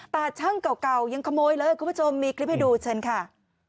แต่ช่างเก่ายังขโมยเลยคุณผู้ชมมีคลิปให้ดูเชิญค่ะ